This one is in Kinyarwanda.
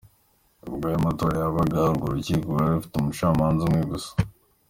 Ubwo ayo matora yabaga, urwo rukiko rwari rufite umucamanza umwe gusa.